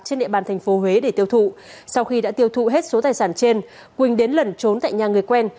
trên địa bàn tp huế để tiêu thụ sau khi đã tiêu thụ hết số tài sản trên quỳnh đến lẩn trốn tại nhà người quen